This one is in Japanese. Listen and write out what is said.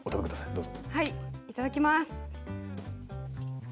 どうぞはいいただきます